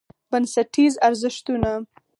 بنسټیز ارزښتونه: